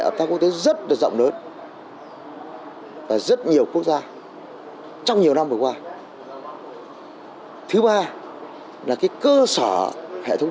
ẩm tác quốc tế rất rộng lớn ở rất nhiều quốc gia trong nhiều năm vừa qua thứ ba cơ sở hệ thống